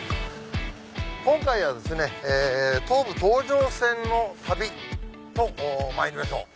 今回はですね東武東上線の旅とまいりましょう。